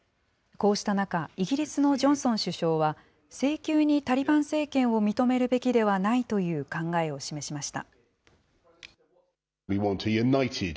こうした中、イギリスのジョンソン首相は、性急にタリバン政権を認めるべきではないという考えを示しました。